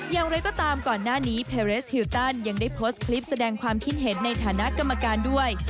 อย่างไรก็ตามก่อนหน้านี้เพเรสฮิวตันยังได้โพสต์คลิปแสดงความคิดเห็นในฐานะกรรมการด้วย